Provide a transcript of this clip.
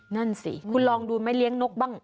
นั่นสิคุณลองดูไหมเลี้ยงนกบ้าง